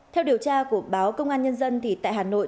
theo điều tra của báo công an nhân dân thì tại hà nội